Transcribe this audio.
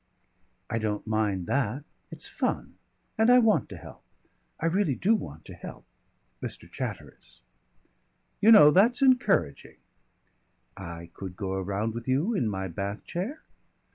"I don't mind that. It's fun. And I want to help. I really do want to help Mr. Chatteris." "You know, that's encouraging." "I could go around with you in my bath chair?"